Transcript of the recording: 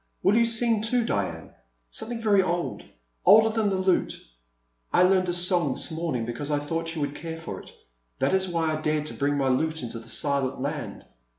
Will you sing too, Diane? Something very old, older than the lute.'* *' I learned a song this morning because I thought you would care for it. That is why I dared to bring my lute into the Silent Land.